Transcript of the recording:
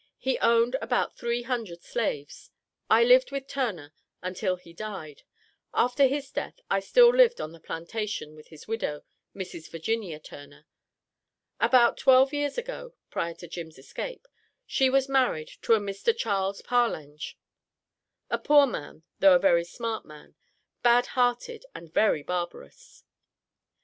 He owned about three hundred slaves. I lived with Turner until he died. After his death I still lived on the plantation with his widow, Mrs. Virginia Turner." About twelve years ago (prior to Jim's escape) she was married to a Mr. Charles Parlange, "a poor man, though a very smart man, bad hearted, and very barbarous."